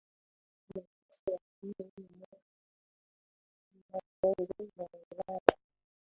Nafasi ya kumi na moja Ulaya na kushinda kombe la Ulaya